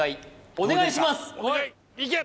お願いします